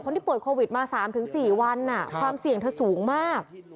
ที่ป่วยโควิดมา๓๔วันความเสี่ยงเธอสูงมาก